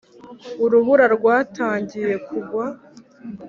urubura rwatangiye kugwa